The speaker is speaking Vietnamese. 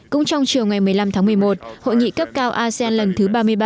cũng trong chiều ngày một mươi năm tháng một mươi một hội nghị cấp cao asean lần thứ ba mươi ba